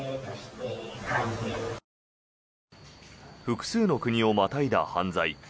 複数の国をまたいだ犯罪。